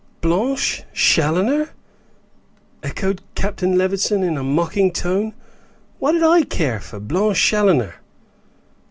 "Blanche Challoner!" echoed Captain Levison, in a mocking tone; "what did I care for Blanche Challoner?"